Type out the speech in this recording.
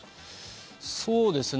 そうですね。